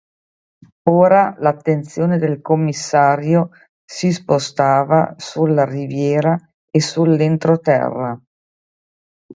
Ora l'attenzione del Commissario si spostava sulla riviera e sull'entroterra.